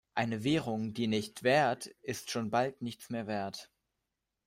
Eine Währung, die nicht währt, ist schon bald nichts mehr wert.